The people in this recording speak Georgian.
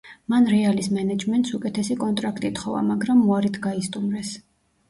მან რეალის მენეჯმენტს უკეთესი კონტრაქტი თხოვა მაგრამ იგი უარით გაისტუმრეს.